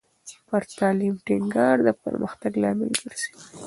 پر تعلیم ټینګار د پرمختګ لامل ګرځي.